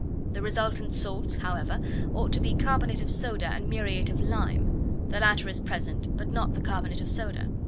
The resultant salts, however, ought to be carbonate of soda and muriate of lime, the latter is present, but not the carbonate of soda.